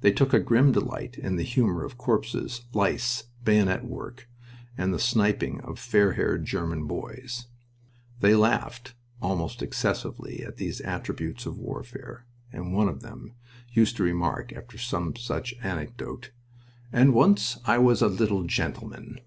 They took a grim delight in the humor of corpses, lice, bayonet work, and the sniping of fair haired German boys. They laughed, almost excessively, at these attributes of warfare, and one of them used to remark, after some such anecdote, "And once I was a little gentleman!"